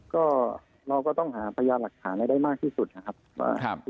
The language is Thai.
ก็เราก็ต้องหาพยายามหลักฐานได้มากที่สุดนะครับ